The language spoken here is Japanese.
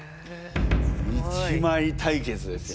１枚対決ですよ。